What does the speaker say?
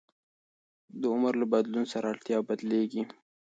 د عمر له بدلون سره اړتیا بدلېږي.